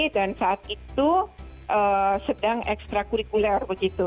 dan saat itu sedang ekstra kurikuler begitu